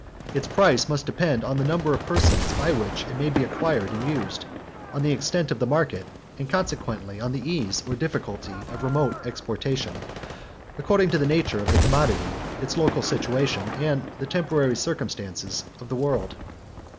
Its price must depend on the number of persons by whom it may be acquired and used; on the extent of the market; and consequently on the ease or difficulty of remote exportation, according to the nature of the commodity, its local situation, and the temporary circumstances of the world.